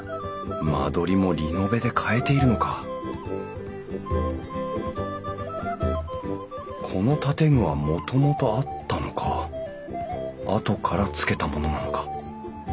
間取りもリノベで変えているのかこの建具はもともとあったのかあとからつけたものなのか？